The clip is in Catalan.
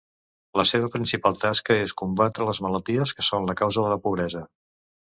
La seva principal tasca és combatre les malalties que són la causa de la pobresa.